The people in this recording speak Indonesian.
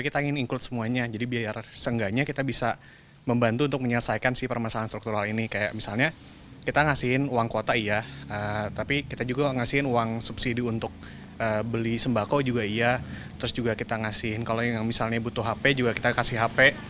terus juga kita kasihin kalau misalnya butuh hp kita kasih hp